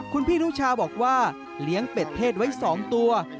คุณพี่นุชาบอกว่าเลี้ยงเป็ดเพศไว้๒ตัว